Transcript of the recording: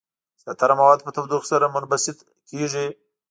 زیاتره مواد په تودوخې سره منبسط کیږي.